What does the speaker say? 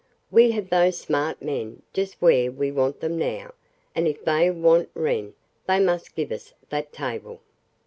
We have those smart men just where we want them now, and if they want Wren they must give us that table."